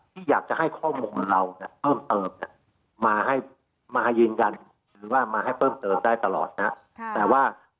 ที่อยากจะให้ข้อมูลเราเนี่ยเพิ่มเติมมาให้มายืนยันหรือว่ามาให้เพิ่มเติมได้ตลอดนะแต่ว่า